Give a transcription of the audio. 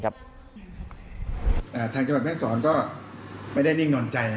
ทางจังหวัดแม่สรก็ไม่ได้นิ่งนอนใจ